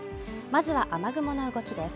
まずは雨雲の動きです